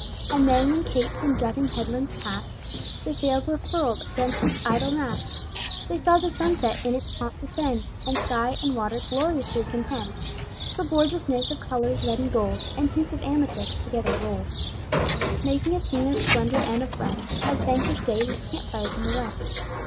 And then, when, capes and jutting headlands past, The sails were furled against each idle mast, They saw the sunset in its pomp descend, And sky and water gloriously contend For gorgeousness of colors, red and gold, And tints of amethyst together rolled, Making a scene of splendor and of rest As vanquished day lit camp fires in the West.